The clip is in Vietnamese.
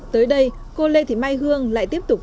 tới đây cô lê thị mai hương lại tiếp tục